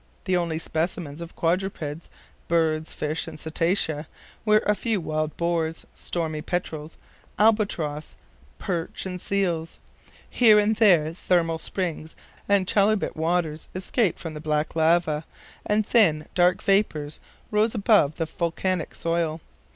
The only specimens of quadrupeds, birds, fish and cetacea were a few wild boars, stormy petrels, albatrosses, perch and seals. Here and there thermal springs and chalybeate waters escaped from the black lava, and thin dark vapors rose above the volcanic soil.